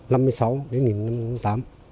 năm mươi sáu đến nghìn năm tám